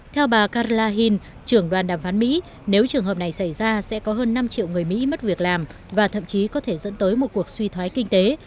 theo bà karahin trưởng đoàn đàm phán mỹ nếu trường hợp này xảy ra sẽ có hơn năm triệu người mỹ mất việc làm và thậm chí có thể dẫn tới một cuộc suy thoái kinh tế